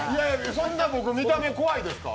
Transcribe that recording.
そんなに僕、見た目怖いですか？